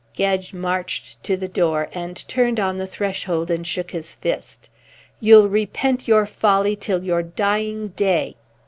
Gedge marched to the door and turned on the threshold and shook his fist. "You'll repent your folly till your dying day!"